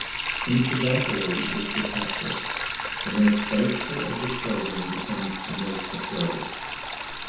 Incidentally is detected: The most boastful of the children becomes the most afraid.